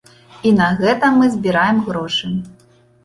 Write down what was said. І на гэта мы збіраем грошы.